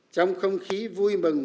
trong không khí vui mừng